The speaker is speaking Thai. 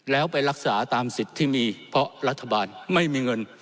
แล้วไปรักษาตามสิทธิ์ที่มีเพราะรัฐบาลไม่มีเงิน